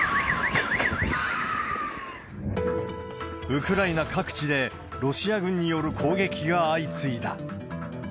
ウクライナ各地でロシア軍による攻撃が相次いだ。